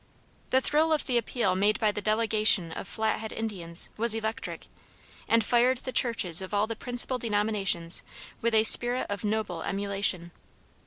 The thrill of the appeal made by the delegation of Flathead Indians, was electric, and fired the churches of all the principal denominations with a spirit of noble emulation.